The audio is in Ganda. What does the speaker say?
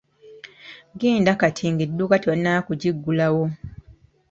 Genda kati ng'edduuka tebannaba kugiggulawo.